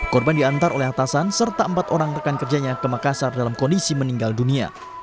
korban diantar oleh atasan serta empat orang rekan kerjanya ke makassar dalam kondisi meninggal dunia